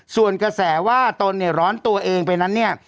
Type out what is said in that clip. ส่วนกระแสว่าตนเนี่ยร้อนตัวเองไปนั้นเนี่ย